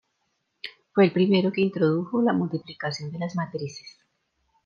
Fue el primero que introdujo la multiplicación de las matrices.